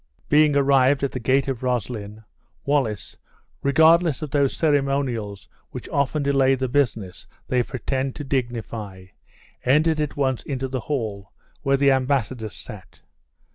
Being arrived at the gate of Roslyn, Wallace, regardless of those ceremonials which often delay the business they pretend to dignify, entered at once into the hall where the embassadors sat.